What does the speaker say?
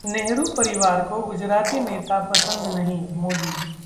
नेहरू परिवार को गुजराती नेता पसंद नहीं: मोदी